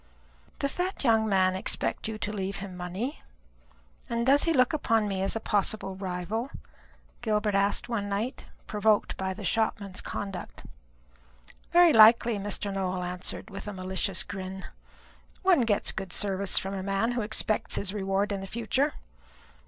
"Does that young man expect you to leave him money? and does he look upon me as a possible rival?" Gilbert asked one night, provoked by the shopman's conduct. "Very likely," Mr. Nowell answered, with a malicious grin. "One gets good service from a man who expects his reward in the future.